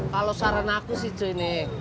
kalau saran aku sih cuy nih